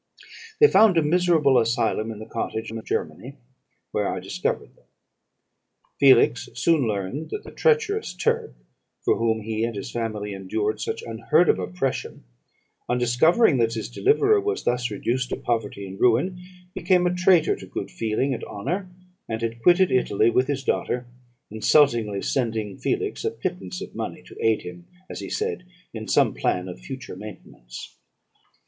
"They found a miserable asylum in the cottage in Germany, where I discovered them. Felix soon learned that the treacherous Turk, for whom he and his family endured such unheard of oppression, on discovering that his deliverer was thus reduced to poverty and ruin, became a traitor to good feeling and honour, and had quitted Italy with his daughter, insultingly sending Felix a pittance of money, to aid him, as he said, in some plan of future maintenance.